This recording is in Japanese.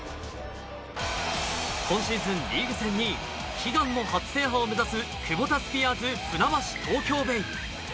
今シーズン、リーグ戦２位、悲願の初制覇を目指すクボタスピアーズ船橋・東京ベイ。